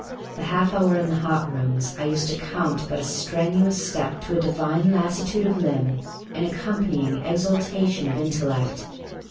The half hour in the hot rooms I used to count but a strenuous step to a divine lassitude of limb and accompanying exaltation of intellect.